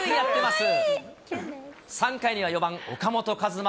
３回には４番岡本和真。